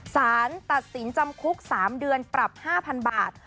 สารตัดสินจำคุก๓เดือนปรับ๕๐๐๐บาท